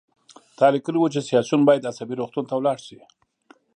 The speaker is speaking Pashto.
تا لیکلي وو چې سیاسیون باید عصبي روغتون ته لاړ شي